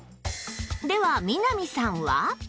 では南さんは？